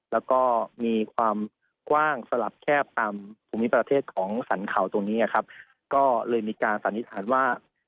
แล้วก็มีความกว้างสลับแคบตามภูมิประเทศของสรรเขาตรงนี้นะครับก็เลยมีการสันนิษฐานว่า